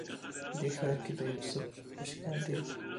په دې ښار کي د یوسف عاشقان ډیر دي